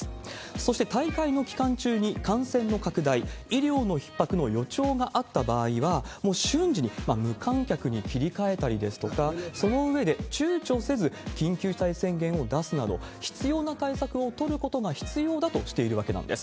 そして大会の期間中に感染の拡大、医療のひっ迫の予兆があった場合は、もう瞬時に無観客に切り替えたりですとか、その上で、ちゅうちょせず緊急事態宣言を出すなど、必要な対策を取ることが必要だとしているわけなんです。